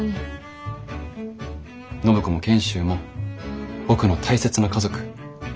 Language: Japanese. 暢子も賢秀も僕の大切な家族。